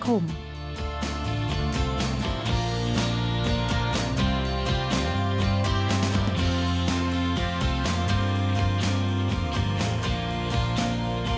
มีคุณภาพชีวิตที่ดีขึ้นได้